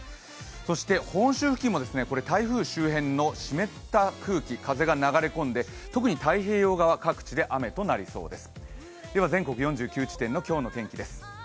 そして本州付近も台風周辺の湿った空気風が流れ込んで、特に太平洋側、各地で雨となりそうです。